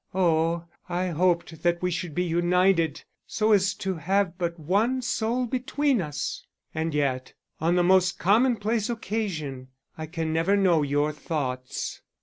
Oh, I hoped that we should be united, so as to have but one soul between us; and yet on the most commonplace occasion, I can never know your thoughts.